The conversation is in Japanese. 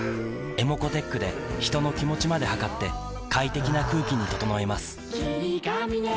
ｅｍｏｃｏーｔｅｃｈで人の気持ちまで測って快適な空気に整えます